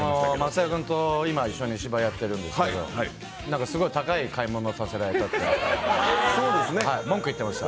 松也君と今一緒に芝居やってるんですけど高い買い物をさせられたって文句言ってました。